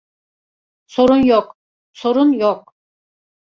Sorun yok, sorun yok.